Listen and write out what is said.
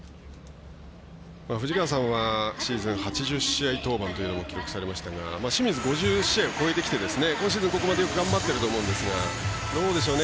藤川さんはシーズン８０試合登板というのも記録されましたが清水、５０試合を越えてきて今シーズン、ここまでよく頑張ってると思うんですがどうですかね。